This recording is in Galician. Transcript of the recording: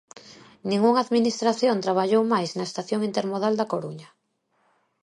Ningunha administración traballou máis na estación intermodal da Coruña.